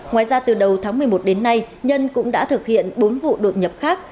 ngoài ra từ đầu tháng một mươi một đến nay nhân cũng đã thực hiện bốn vụ đột nhập khác